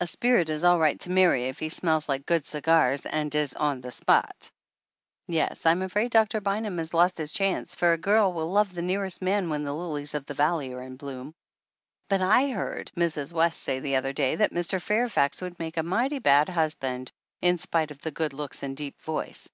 A spirit is all right to marry if he smells like good cigars and is on the spot!" "Yes, I'm afraid Doctor Bynum has lost his chance; for a girl will love the nearest man when the lilies of the valley are in bloom." "But I heard Mrs. West say the other day that Mr. Fairfax would make a mighty bad hus band, in spite of the good looks and deep voice.